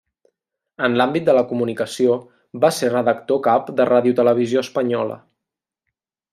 En l'àmbit de la comunicació, va ser redactor cap de Radiotelevisió Espanyola.